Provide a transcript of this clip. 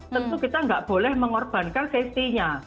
tentu kita nggak boleh mengorbankan safety nya